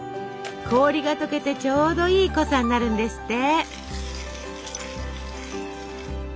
氷が解けてちょうどいい濃さになるんですって。